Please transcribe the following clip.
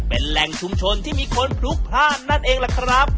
เป็นแหล่งชุมชนที่มีคนพลุกพลาดนั่นเองล่ะครับ